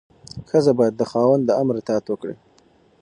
ښځه باید د خاوند د امر اطاعت وکړي.